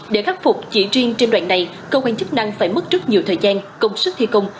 để khắc phục chỉ riêng trên đoạn này cơ quan chức năng phải mất rất nhiều thời gian công sức thi công